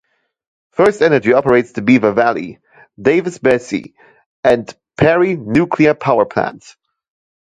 FirstEnergy operates the Beaver Valley, Davis-Besse, and Perry nuclear power plants.